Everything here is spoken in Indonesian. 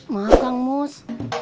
maaf kang mus